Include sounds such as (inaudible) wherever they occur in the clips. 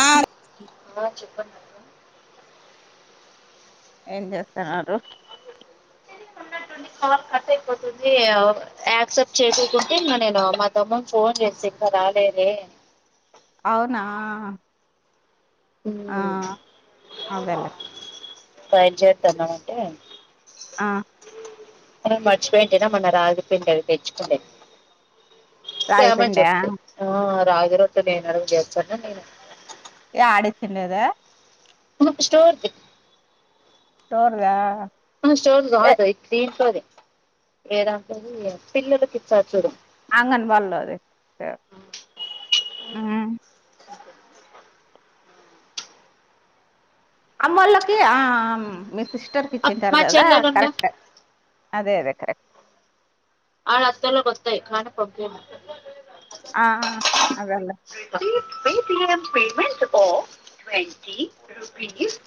ఆ ఆ చెప్పం ఏం చేస్తున్నారు కాల్ కట్ అయిపోతుంది యాక్సెప్ట్ చేసుకుంటే ఇంకా నేను మా తమ్ముకి ఫోన్ చేస ఇంకా రాలేదే అవునా ఆ ఉమ్, అదలే ఫ్రై చేతనం అంటే ఆ మర్చిపోయింటినా మొన్న రాగిపిండి అది తెచ్చుకుంనేది తామని రాగిపిండా చెప్తి ఆ రాగి రొట్టి నే (unintelligible) నేను ఆడించినేదా ఒకఓక్క స్టోర్ది స్టార్ వ ఆహా స్టోర్ ది కాదు ఇది దింట్లోది ఏ దాంట్లోది పిల్లలుకి ఇస్తారు చూడు అంగన్ వాల్లోది అమ్మోలకి ఆ మీ సిస్ట్ టర్ కి అప్- ఈచింటరు మా కదా చెల్లెలు ఉన్నా కరెక్ట్ అదే అదే కరెక్ట్ ఆడ అతొలకి వస్తాయ్ కానీ పంపిరు ఆ అదేలే పేటిఎం పేమెంట్ ఆఫ్ ట్వీ రూపీస్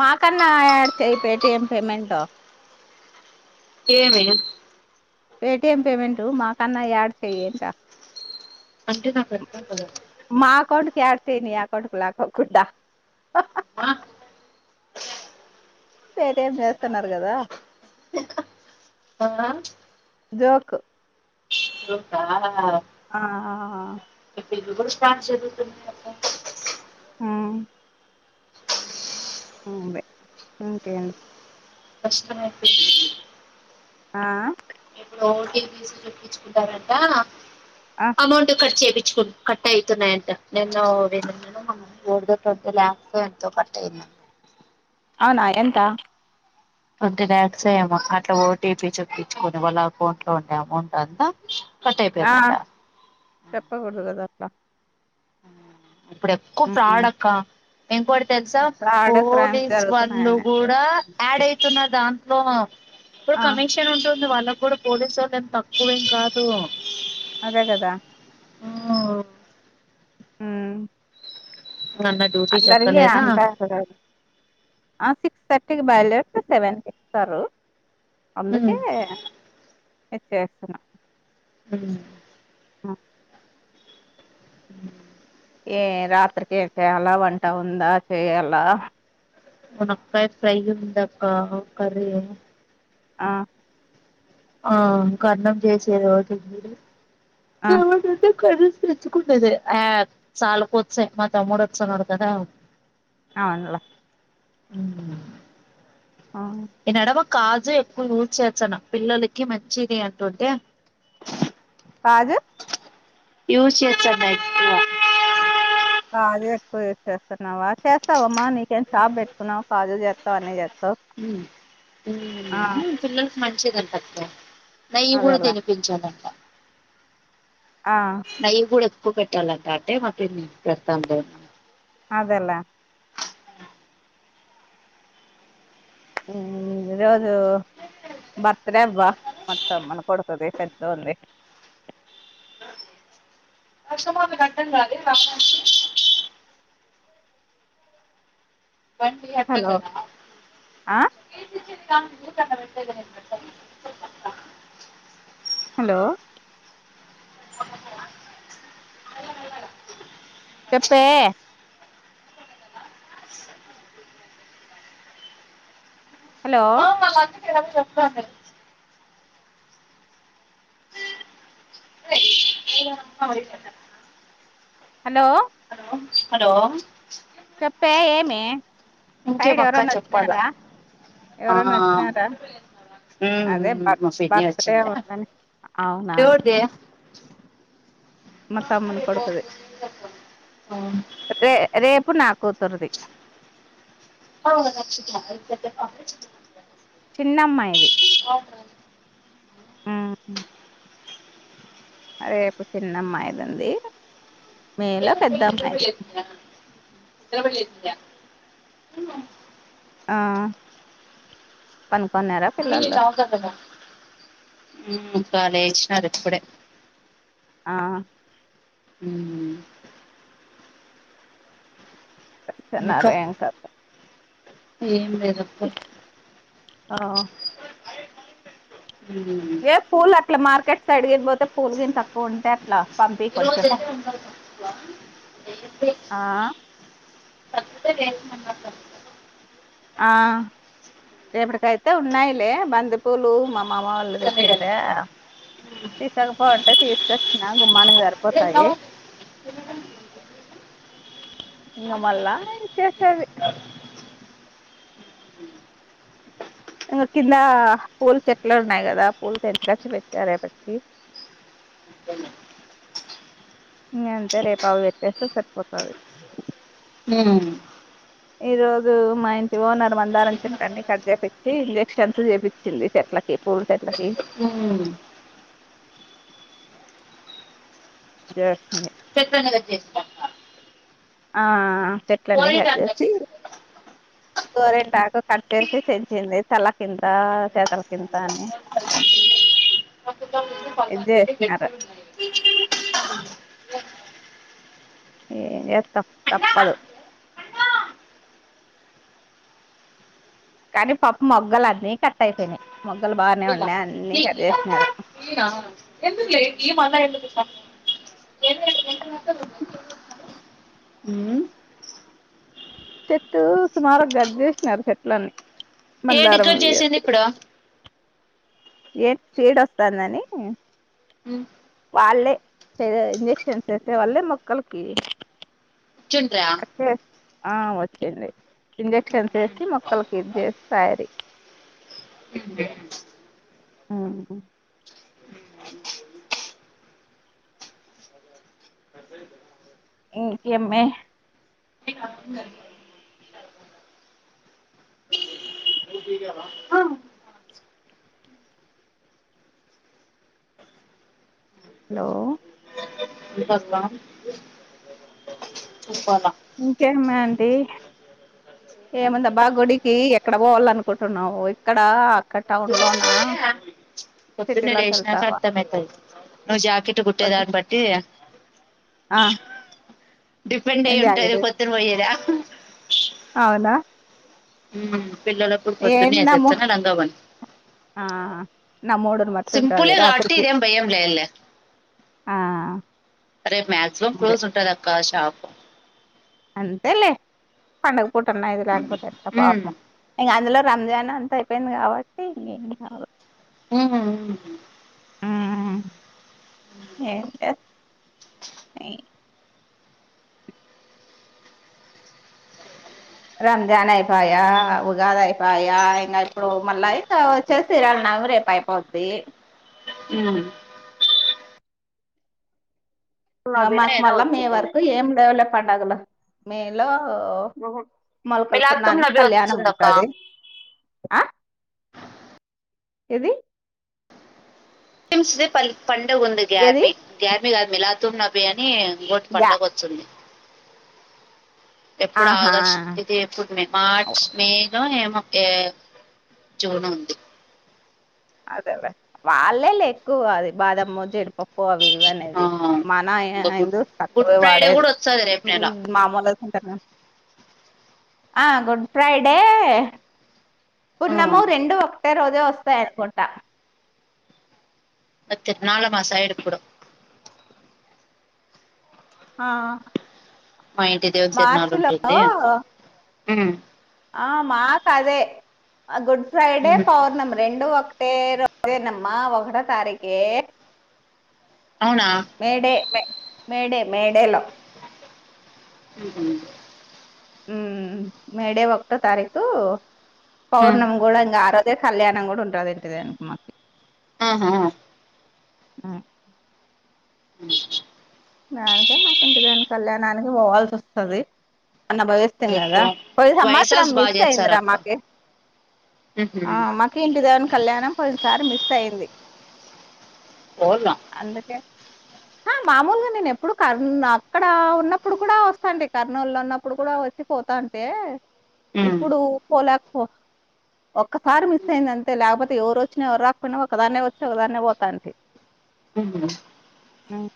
మాకన్నా యాడ్ చేపి పేటిఎం పేమెంట్ ఏమీ పేటిఎం పేమెంటు మాకన్నా యాడ్ చేయట్ట అంటే నక్ అర్థం కాలే మా అకౌంట్కి యాడ్ చేయి నీ అకౌంట్ కి లాక్కుండ ఆ పే టి ఎం చేస్తున్నారు కదా అవునా జోకు జోకా ఆ ఆ బిల్ స్టార్ చెదుతు హ్మ్ అ బే ఓకే కష్టం అయిపోయింది ఆ ఇప్పుడు ఓ టీ పీస్ చప్పించుకుంటారంట ఆ అమౌంట్ కట్ చెప్ కట్ట అయితున్నాయంట నేను నిన్న నో మోన్ ఎవరిదో థర్టీ లక్ష్సో ఎంతో కట్ అయింది అంట నా ఎంత ట్వంటీ ల్యాక్స్ ఏమో అట్లా ఓటీపీ చప్పించుకొని వాళ్ళ అకౌంట్ లో ఉండే అమౌంట్ అంతా కట్ ఆ అయిపోయిందంట చెప్పా కూడదు కదా అట్లా ఆ ఇప్పుడు ఎకువ ఫ్రాడ్ అక్క ఇంకోటి తెలుసా ఫ్రాడ్ క్రైమ్ పోలీస్ వాళ్ళు జరుగుతున్నాయని అంతే కూడా యాడ్ అయితున్నరు దాంట్లో ట్లో ఇప్పుడు ఆ కమిషన్ ఉంటుంది వాళ్ళకి కూడా పోలీసు వాళ్ళు ఏం తక్కువేం కాదు అదే కదా హ్మ్ నాన్న డ్యూటీ అందరికి చెక్కలేదా అంటరు కదా ఆ సిక్స్ థర్టీకి బయలుదేరితే సెవెన్కి ఇస్తారు అందుకే ఇది చేస్తున్న హ్మ్ ఆ ఉ ఏ రాత్రికి చేయాల వంట ఉందా చేయ్యాల మునక్కాయ ఫ్రై ఉందక్క కర్రీ ఆ ఆ కర్ణం చేసేదటి ఆ (unintelligible) క తెచ్చుకోలేదు ఆ చాల పోచ్చా మా తమ్ముడు వస్తున్నాడు కదా (unintelligible) అవును లే అ ఆ కాజు ఎక్కువ యూజ్ చేయొచ్చన పిల్లలకి మంచిది అంటుంటే కాజు యూ చేస (unintelligible) కాజు ఎక్కువ యూజ్ చేస్తున్నావా చేస్తావమ్మా నీకేం షాప్ పెట్టుకున్నావు కాజు చేస్తావు అన్నీ చేస్తావు ఆ ఉం పిల్లలకి మంచిది అంట అక్క నెయ్యి కూడా అదేలే తినిపించాలంట ఆ నయ్యి కూడా ఎక్కువ పెట్టాలంట అంటే మాకు పెడతామ్ లే అదెలే ఉం ఈ రోజు బర్త్ డే అబ్బా మొత్తం మన కొడుకుది పెద్దో నిధి అ మసమా అ కంటంగాదే రా (unintelligible) బండి అడ్డం హలో కదా (inaudible) ఆ హలో అ చెప్పే హలో చెప్ప (unintelligible) (inaudible) హలో హలో హలో చెప్పే ఏమి సైడ్ ఇంకేమక్క ఎవరైన చెప్పాలా వచ్చినారా ఆ ఎవరన్న వచ్చినారా ఉమ్ అదే ఉమ్ బర్ మా పిన్ని బర్త్ డే వచ్చిందా ఉందని అవునా ఎవరిది మా తమ్ముని కొడుకుది ఉమ్ రే రేపు నాకు కూతురుది అ నక్ష (unintelligible) చిన్నమ్మాయిది అవునా ఉమ్ రేపు చిన్నమ్మాయిది ఉంది మీలో పెద్ద అమ్మాయిది ఇత్రపళ్లిిరి (unintelligible) ఆ పనుకున్నారా పిల్లలు మీతవతద (unintelligible) కాాలేజ్ అప్పుడ (unintelligible) ఆ ఉం న్నారు ఇంకా ర ఏంక (unintelligible) ఏం లేదప్ప ఆ ఉమ్ ఏ పూలు అట్లా మార్కెట్ సైడ్ కి పోతే పూలు గిన తక్కువ ఉంటయి అట్లా పంపి కొంచెం ఏ ఆ సత్తె (unintelligible) ఆ రేపటికయితే ఉన్నాయిలే బంతి పూలు మమ్ మా వాళ్ళు తెచ్చింటే తీసకపో అంటే తీసుకొచ్చిన గుమ్మానికి సరిపోతాయి వెళ్ళదా ఇంగ మళ్ళ చేసే ది ఇంగ కింద పూల్ చెట్లు ఉన్నాయి కదా పూలు తెంపకచ్చి పెట్టా రేపటికి ఇ ఇంగ అంతే రేపు అవి పెట్టేస్తే సరిపోతది నేను ఈ రోజు మా ఇంటి ఓనర్ మందారం చెట్టన్ని కట్ చేయిచ్చి ఇంజక్షన్స్ చేపిచింది చె ట్లకి పూల చెట్లకి ఓ జార్స్సింది చెట్లన్నీ కట్ చేసినంక ఆ చెట్లన్నీ కట్ అట్లా చేసి పెడతా. గోరిన్ టాకు కట్ చేసి తెంచింది తల కింత చేతల కింత అని అ అప్పుడికప్పుడే పళ్ళు ఇది అందుకే చేసినారు గెట్టిగ ఉన్నాయి ఏం జెత్తవ్ తప్పదు కానీ పప్ మొగ్గలన్నీ కట్ అయ్ పోయినాయ్ ఇలా కి కి లా ఈర ఎందుకులేండి మల్లా ఎందుకు ఈయన్ని ఎంతమెత్తగ ఉన్నాయ్ చూడు ఉమ్ చెట్టు సుమారు గడ్ చేసినారు చెట్లన్నీ ఏంటి మందారం ఇక్కడ వి చేసింది అవి ఇప్పుడు ఏం చీడ వస్తాందని వాళ్ళే ద ఇంజక్షన్స్ వేసే వాళ్ళే మొక్కలకి చ్చున్డ్రా కట్ చేసి ఆ వచ్చింది ఇంజక్షన్స్ వేసి మొక్కలకి ఇది చేసి పాయ్ రీ ఉమ్మ్ ఇంకేం మే హలో ఇన్ పస్దా చెప్పాల ఇంకే మే ఆంటీ (unintelligible) ఏముందా బా గుడికి ఎక్కడ పోవాల అనుకుంటున్నావు ఇక్కడ అక్కడ టౌన్ లోనా పొద్దు నే సిటీలోకి లేేసినాక వెళ్తావా అర్థంమయితది నువ్వు జాకెట్ వద్దు కుట్టేదాన్ని బట్టి ఆ డిపెండ్ అయ్ ఉంటది జాగిరి పొద్దున పొయ్యేదా అవునా ఉమ్ పిల్లలప్పుడు ఏం పొద్దున్నే నమ్ము ఏసేచ్చనా లంగా ఓని ఆ నా మూడుని బట్టి ఉంటాది రాత్రికి ఇదేం భయం లేదులే ఆ రేప్ మాక్సిమం క్లోజ్ ఉంటదక్క షాప్ అంతేలేే పండగ పూటన్న ఏది లేకపోతే ఎట్ట పాపం ఇంగ అందులో రంజాన్ అంత అయిపోయింది కాబట్టి ఇంగేమ్ కాదు ఉమ్మ్ ఉమ్ ఏమ్ లేద్ మే రంజాన్ అయిపోయా ఉగాది అయిపాయా ఇంగ ఇప్పుడు మళ్ళ అయితే వచ్చేసి సీరల్న ఆది రేపు అయిపొద్ది ఊ ఆ నబీనో మాకు ఏదో మళ్ళా మే వచ్చింది వరకు ఏం లేవులే పడుగలు మే లో ఓ మొలకల మిలాతుం పున్నానికి నబీ కళ్యాణం వచ్చిందక్క ఉంటది ఆ ఏది ముస్లిం ది పండగ ఉంది ఏది గార్మి గ్యార్మి కాదు మిలాతుం నాభి అనీ ఇంకోటి గ్యా పండగ వచ్చంది ఎప్పుడు ఆహా ఆగస్ట్ ఇది ఎప్పుడు మార్చ్ మే లో ఏ ఏ జూన్ ఉంది అదేలే వాళ్ళే లే ఎక్కువ అది బాదం జీడిపప్పు క్ అవి ఇవి అనేది ఆ మన ఇంకా గుడ్ హిందూస్ గుడ్ తక్కువే ఫ్రైడే వాడేది కూడా వస్తది రేపు నెల మామూలు ఆ గుడ్ ఫ్రైడే పున్నము ఆ రెండు ఒకటే రోజే వస్తాయనుకుంటా తీర్ణాల మా సైడ్ ఎప్పుడూ ఆ మా ఇంటి దేవునీ తీర్ణాల మార్చి ఉంటుంది లో ఉ ఆ మాకు అదే గుడ్ ఫ్రైడే పౌర్ణమీ రెండు ఒకటే రోజే నమ్మ ఒక్కాటో తారీఖే అవునా మేడే మే మేడే మేడేలో ఉ ఊ మేడే ఒకటో తారీఖు ఉమ్ పౌర్ణమి గూడ ఆరోజే కళ్యాణం కూడా ఉంటది ఇంటి దేవునికి మాకి ఆహా ఆ దానికే మాకు ఇంటి దేవుని కళ్యాణానికి పోవాల్సి వస్తది మొన్న పోయి వస్తీమి కదా రేపు పోయిన సంవత్సరం వైసాస్ బాగా మిస్ చేస్తారు అయ్యిందిరా అక్క మాకి ఆ మాకి ఇంటి దేవుని కళ్యాణం పోయినసారి మిస్ అయింది పోదాం అందుకే హా మామూలుగా నేను ఎప్పుడు కర్ అక్కడ ఉన్నప్పుడు కూడా వస్తా అంటే కర్నూలులో ఉన్నప్పుడు కూడా వచ్చి పోతా అంటే ఇప్పుడు పోలేక పో ఒక్కసారి మిస్ అయింది అంతే లేకపోతే ఎవరు వచ్చినా ఎవరు రాకపోయినా ఒకదాన్నే వచ్చి ఒకదాన్నే పోతాంటి ఉహు హ్మ్.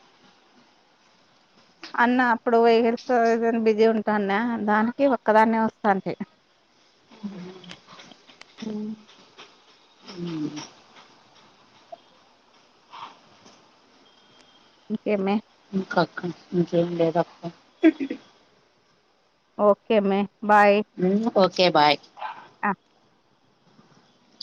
అన్న అప్పుడు వెయిర్ ఏదనా బిజీ ఉంటాన్న దానికే ఒక్కదాన్నే వస్తాంటి ఉ ఉ ఇంకేం ఏ ఇంకా అక్క ఇంకేం లేదా అక్క ఓకే మే బాయ్ ఓకే బాయ్ ఆ